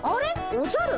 おじゃる？